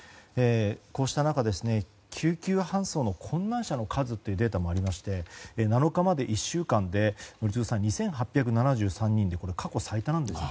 こうした中救急搬送の困難者の数というデータもありまして７日まで１週間で宜嗣さん２８７３人、過去最多なんです。